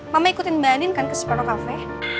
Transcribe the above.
mama ikutin mbak anin kan ke seperno cafe